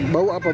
bau apa bu